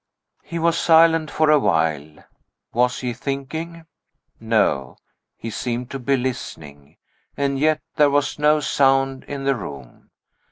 He was silent for a while. Was he thinking? No: he seemed to be listening and yet there was no sound in the room.